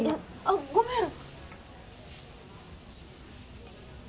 あっごめん！